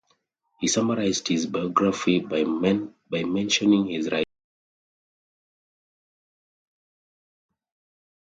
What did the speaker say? He summarized his biography by mentioning his writings.